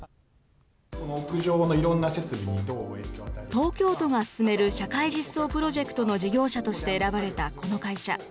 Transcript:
東京都が進める社会実装プロジェクトの事業者として選ばれたこの会社。